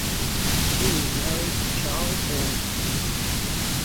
She is married to Charles Horner.